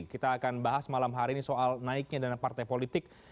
kita akan bahas malam hari ini soal naiknya dana partai politik